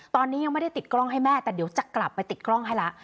ตอนนี้ยังไม่ได้ติดกล้องให้แม่แต่เดี๋ยวจะกลับไปติดกล้องให้ละ